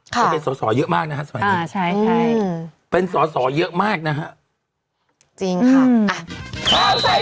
จะเป็นสบายเยอะมากนะฮะสมัยนี้